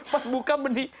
pas buka meni